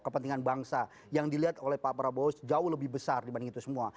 kepentingan bangsa yang dilihat oleh pak prabowo jauh lebih besar dibanding itu semua